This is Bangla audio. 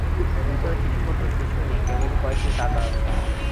ভিতরে চিঠিপত্র কিছুই নাই, কেবলই কয়েকটি টাকা আছে।